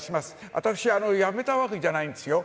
私、やめたわけじゃないんですよ。